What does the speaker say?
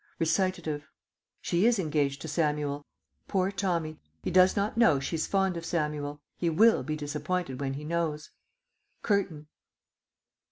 (Recitative.) She is engaged to Samuel. Poor Tommy, He does not know she's fond of Samuel. He will be disappointed when he knows. CURTAIN.